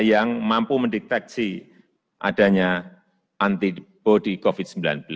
yang mampu mendeteksi adanya antibody covid sembilan belas